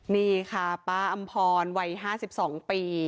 นี่ค่ะป้าอำพรวัย๕๒ปี